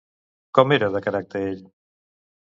Com era de caràcter ell?